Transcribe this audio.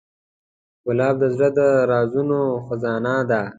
ګلاب د زړه د رازونو خزانې ده.